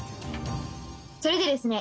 それでですね